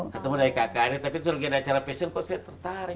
ketemu dari kakaknya tapi itu lagi ada acara fashion kok saya tertarik